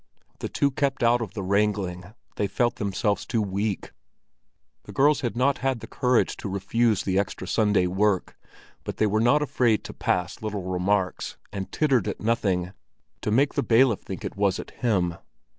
The two kept out of the wrangling; they felt themselves too weak. The girls had not had the courage to refuse the extra Sunday work, but they were not afraid to pass little remarks, and tittered at nothing, to make the bailiff think it was at him.